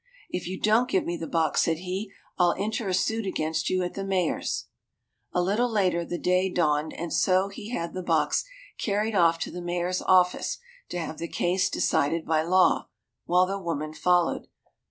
"If you don't give me the box," said he, "I'll enter a suit against you at the Mayor's." A little later the day dawned, and so he had the box carried off to the Mayor's office to have the case decided by law, while the woman followed.